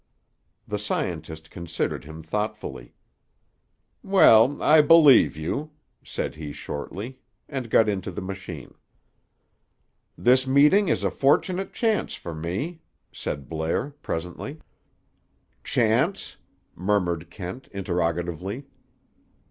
The scientist considered him thoughtfully. "Well, I believe you," said he shortly, and got into the machine. "This meeting is a fortunate chance for me," said Blair presently. "Chance?" murmured Kent interrogatively.